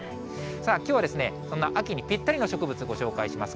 さあ、きょうは、そんな秋にぴったりな植物ご紹介します。